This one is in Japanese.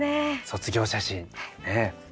「卒業写真」